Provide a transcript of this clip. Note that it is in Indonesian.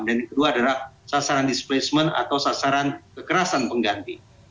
dan kedua adalah sasaran displacement atau sasaran kekerasan pengganti